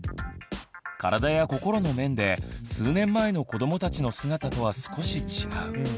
体や心の面で数年前の子どもたちの姿とは少し違う。